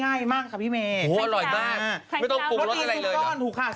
ง่ายมากค่ะพี่เมอร่อยมากไม่ต้องปลูกรถอะไรเลย